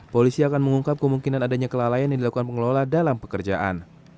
polisi akan mengungkap kemungkinan adanya kelalaian yang dilakukan pengelola dalam pekerjaan